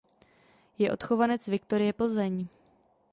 Je odchovanec Viktorie Plzeň.